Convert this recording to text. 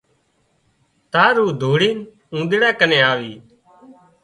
تار او ڌوڙينَ اونۮيڙا ڪنين آوي